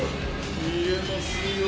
見えますよ。